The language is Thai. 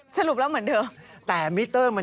สรุปแล้วเหมือนเดิม